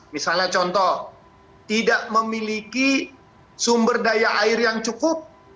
misalnya contoh tidak memiliki sumber daya air yang cukup